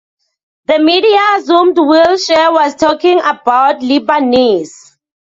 The media assumed Wilshire was talking about Lebanese.